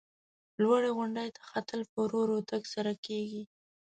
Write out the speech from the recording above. لوړې غونډۍ ته ختل په ورو ورو تگ سره کیږي.